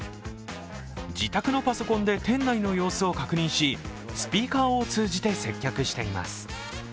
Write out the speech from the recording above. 自宅のパソコンで店内の様子を確認し、スピーカーを通じて接客しています。